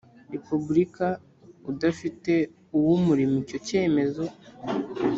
Repubulika udafite uwurimo Icyo cyemezo